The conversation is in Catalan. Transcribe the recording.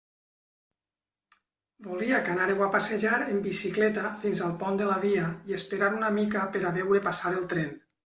Volia que anàreu a passejar en bicicleta fins al pont de la via i esperar una mica per a veure passar el tren.